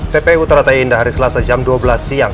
pp utara tayi indahari selasa jam dua belas siang